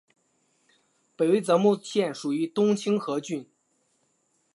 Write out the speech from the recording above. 北魏绎幕县属于东清河郡。